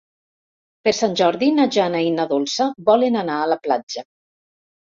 Per Sant Jordi na Jana i na Dolça volen anar a la platja.